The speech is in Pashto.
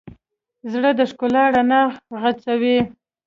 زړه د ښکلا رڼا غځوي.